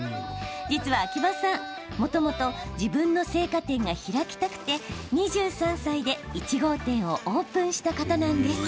実は秋葉さん、もともと自分の青果店が開きたくて２３歳で１号店をオープンした方なんです。